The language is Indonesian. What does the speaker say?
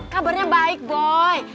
kabarnya baik boy